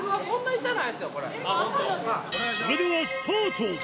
それではスタート！